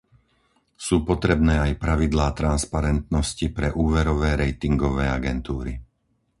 Sú potrebné aj pravidlá transparentnosti pre úverové ratingové agentúry.